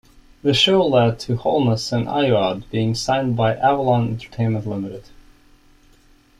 The show led to Holness and Ayoade being signed by Avalon Entertainment Limited.